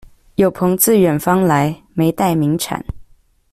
有朋自遠方來，沒帶名產